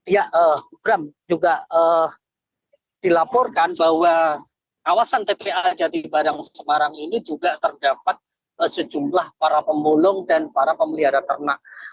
ya bram juga dilaporkan bahwa kawasan tpa jatibarang semarang ini juga terdapat sejumlah para pemulung dan para pemelihara ternak